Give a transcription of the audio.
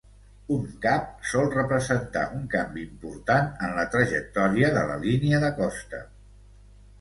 Un cap sol representar un canvi important en la trajectòria de la línia de costa.